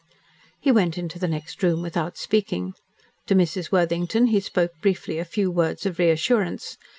He went into the next room without speaking. To Mrs. Worthington he spoke briefly a few words of reassurance.